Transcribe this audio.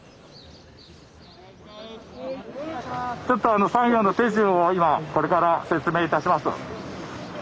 ちょっと作業の手順を今これから説明いたします。